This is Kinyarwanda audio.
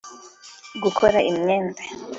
gukora imyenda